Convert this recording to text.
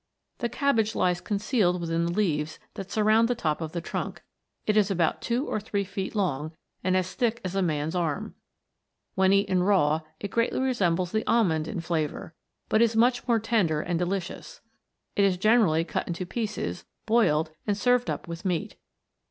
The cabbage lies concealed within the leaves that surround the top of the trunk. It is about two or three feet loner O and as thick as a man's arm. When eaten raw, it 234 WONDERFUL PLANTS. greatly resembles the almond in flavour, but is much more tender and delicious. It is generally cut into pieces, boiled, and served up with meat.